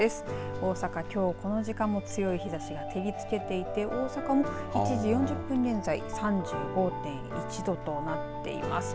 大阪きょうこの時間も強い日ざしが照りつけていて大阪も１時４０分現在３５．１度となっています。